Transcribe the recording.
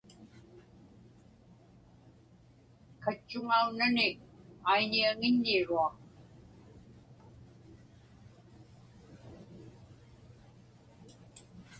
Katchuŋaunnani aniñiaŋiññiruaq.